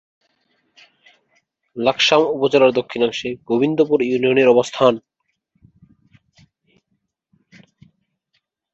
লাকসাম উপজেলার দক্ষিণাংশে গোবিন্দপুর ইউনিয়নের অবস্থান।